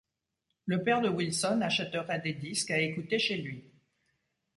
Le père de Wilson achèterait des disques à écouter chez lui.